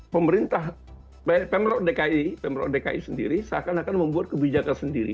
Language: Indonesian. pemerintah dki pemprov dki sendiri seakan akan membuat kebijakan sendiri